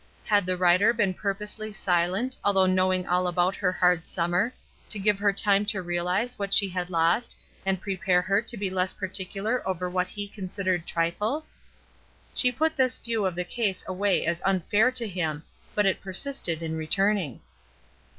Had the writer been purposely silent, although knowing all about her hard summer, to give her time to realize what she had lost, and prepare her to be less particular over what he considered trifles? She put this view of the case away as unfair to him ; but it persisted in returning.